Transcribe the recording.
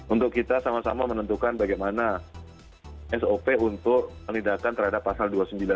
untuk kita sama sama menentukan bagaimana sop untuk menindakan terhadap pasal dua ratus sembilan puluh